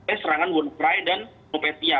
eh serangan wonpry dan novetia